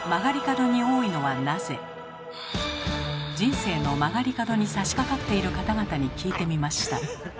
人生の曲がり角にさしかかっている方々に聞いてみました。